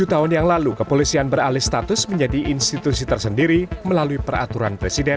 tujuh tahun yang lalu kepolisian beralih status menjadi institusi tersendiri melalui peraturan presiden